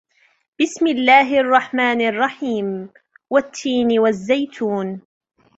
بسم الله الرحمن الرحيم والتين والزيتون